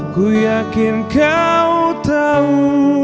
aku yakin kau tau